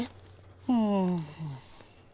うん。